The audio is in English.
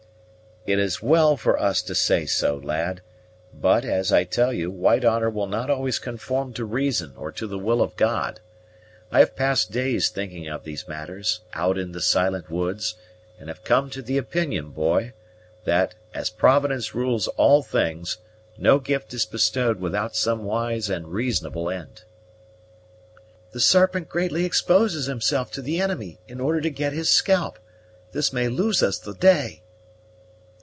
"It is well for us to say so, lad; but, as I tell you, white honor will not always conform to reason or to the will of God. I have passed days thinking of these matters, out in the silent woods, and I have come to the opinion, boy, that, as Providence rules all things, no gift is bestowed without some wise and reasonable end." "The Serpent greatly exposes himself to the enemy, in order to get his scalp! This may lose us the day."